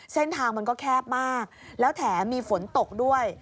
เส้นทางมันก็แคบมากแล้วแถมมีฝนตกด้วย